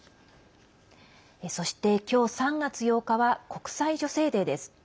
そして、今日３月８日は国際女性デーです。